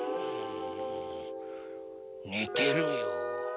ねてるよ。